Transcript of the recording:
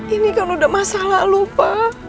ini kan udah masa lalu pak